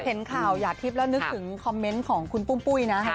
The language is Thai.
เห็นข่าวหยาดทิพย์แล้วนึกถึงคอมเมนต์ของคุณปุ้มปุ้ยนะ